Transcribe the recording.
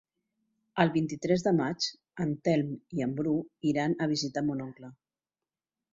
El vint-i-tres de maig en Telm i en Bru iran a visitar mon oncle.